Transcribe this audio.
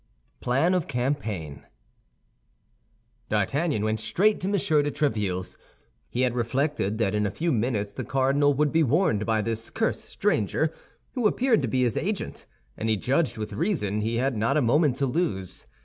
PLAN OF CAMPAIGN D'Artagnan went straight to M. de Tréville's. He had reflected that in a few minutes the cardinal would be warned by this cursed stranger, who appeared to be his agent, and he judged, with reason, he had not a moment to lose.